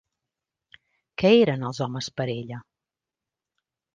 Què eren els homes per a ella?